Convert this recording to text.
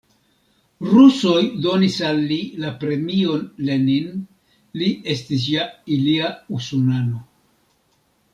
Rusoj donis al li la premion Lenin, li estis ja ilia usonano.